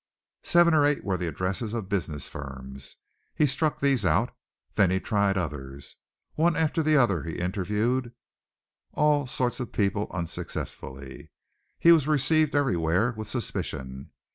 Seven or eight were the addresses of business firms. He struck these out. Then he tried the others. One after the other he interviewed all sorts of people unsuccessfully. He was received everywhere with suspicion.